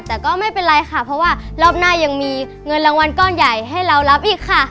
แต่ก็ไม่เป็นไรค่ะเพราะว่ารอบหน้ายังมีเงินรางวัลก้อนใหญ่ให้เรารับอีกค่ะ